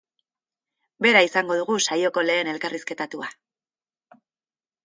Bera izango dugu saioko lehen elkarrizketatua.